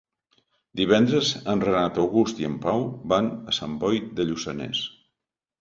Divendres en Renat August i en Pau van a Sant Boi de Lluçanès.